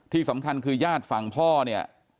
ที่สำคัญคือญาติฝั่งพ่อเนี่ย